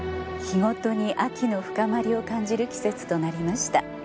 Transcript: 日ごとに秋の深まりを感じる季節となりました。